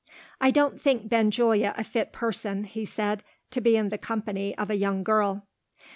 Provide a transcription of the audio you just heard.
"I don't think Benjulia a fit person," he said, "to be in the company of a young girl."